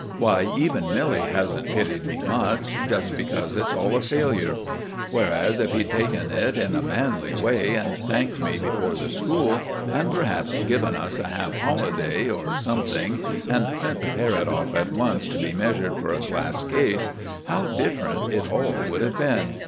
Why, even Milly hasn't pitied me much—just because it's all a failure; whereas if he'd taken it in a manly way, and thanked me before the school, and, perhaps, given us a half holiday or something and sent the parrot off at once to be measured for a glass case—how different it all would have been!